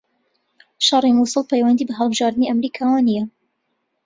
شەڕی موسڵ پەیوەندی بە هەڵبژاردنی ئەمریکاوە نییە